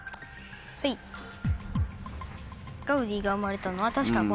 ガウディが生まれたのは確かこの辺。